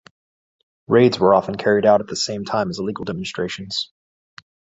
Raids were often carried out at the same time as legal demonstrations.